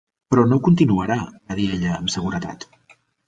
Però no continuarà, va dir ella amb seguretat.